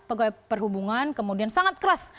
pegawai perhubungan kemudian sangat keras